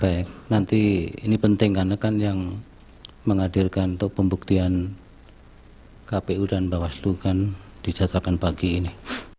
baik nanti ini penting karena kan yang menghadirkan untuk pembuktian kpu dan bawaslu kan dijadwalkan pagi ini